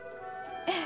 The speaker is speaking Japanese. ええ。